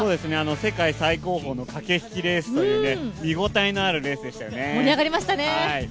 世界最高峰の駆け引きレースというね見応えのあるレースでしたよね。